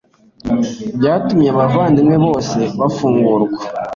byatumye abavandimwe bose bafungurwa